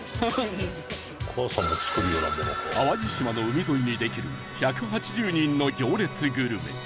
淡路島の海沿いにできる１８０人の行列グルメ